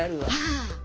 ああ。